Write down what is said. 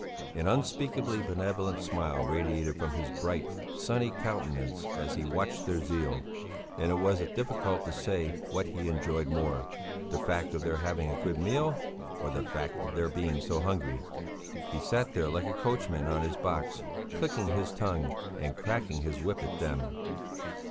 An unspeakably benevolent smile radiated from his bright, sunny countenance as he watched their zeal, and it was difficult to say what he enjoyed more, the fact of their having a good meal, or the fact of their being so hungry. He sat there like a coachman on his box, clicking his tongue and cracking his whip at them.